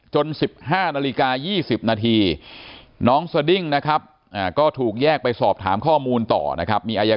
๑๕นาฬิกา๒๐นาทีน้องสดิ้งนะครับก็ถูกแยกไปสอบถามข้อมูลต่อนะครับ